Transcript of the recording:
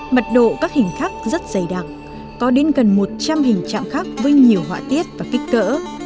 mặt độ các hình khác rất dày đặc có đến gần một trăm linh hình trạm khắc với nhiều họa tiết và kích cỡ